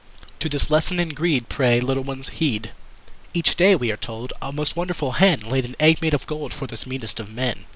To this lesson in greed, Pray, little ones, heed: Each day, we are told, A most wonderful Hen Laid an egg made of gold For this meanest of men.